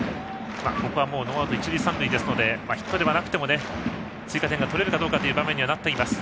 ここはノーアウト一塁三塁なのでヒットではなくても追加点が取れるかという場面になっています。